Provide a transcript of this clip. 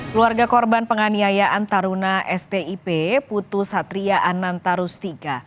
keluarga korban penganiayaan taruna stip putu satria anantarustika